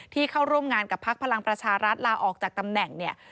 เข้าร่วมงานกับพักพลังประชารัฐลาออกจากตำแหน่งเนี่ย